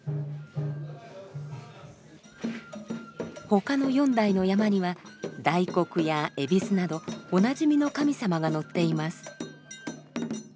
他の４台のヤマには大黒や蛭子などおなじみの神様が乗っています。